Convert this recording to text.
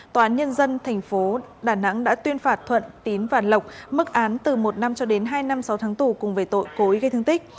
tòa án nhân dân tp đà nẵng đã tuyên phạt thuận tín và lộc mức án từ một năm cho đến hai năm sáu tháng tù cùng về tội cố ý gây thương tích